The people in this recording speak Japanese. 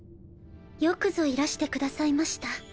よくぞいらしてくださいました。